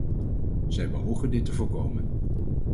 Zij beogen dit te voorkomen.